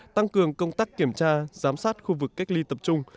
tăng cường công tác kiểm tra giám sát khu vực cách ly tập trung